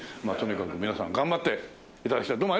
まあとにかく皆さん頑張って頂きたい。